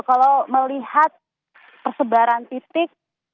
kalau melihat persebaran titik